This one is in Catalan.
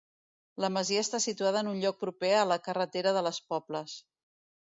La masia està situada en un lloc proper a la carretera de les Pobles.